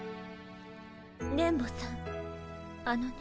電ボさんあのね。